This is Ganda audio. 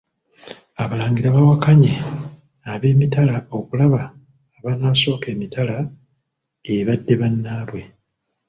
Abalagira bawakanye ab'emitala okulaba abanaasooka emitala ebadde bannaabwe.